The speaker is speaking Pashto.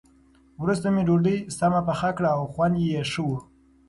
وروسته مې ډوډۍ سمه پخه کړه او خوند یې ښه و.